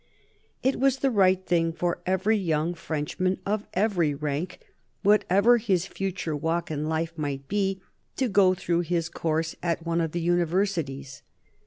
It was the right thing for every young Frenchman, of every rank, whatever his future walk in life might be,' to go through his course at one of the universities.